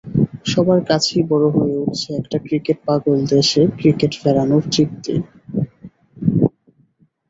সবার কাছেই বড় হয়ে উঠছে একটা ক্রিকেট পাগল দেশে ক্রিকেট ফেরানোর তৃপ্তি।